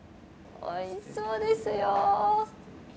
おいしそうですよ。